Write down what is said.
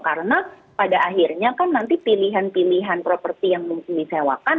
karena pada akhirnya kan nanti pilihan pilihan properti yang mungkin disewakan